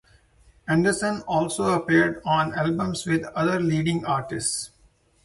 Anderson also appeared on albums with other leading artists.